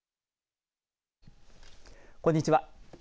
こんにちは。